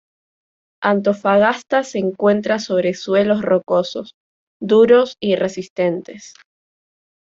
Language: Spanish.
Antofagasta se encuentra sobre suelos rocosos, duros y resistentes.